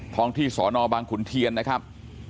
ท้องที่สอนอบางขุนเทียนนะครับ